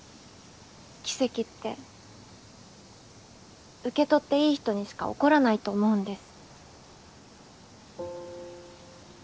奇跡って受け取っていい人にしか起こらないと思うんです。